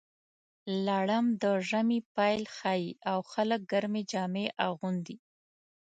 لړم د ژمي پیل ښيي، او خلک ګرمې جامې اغوندي.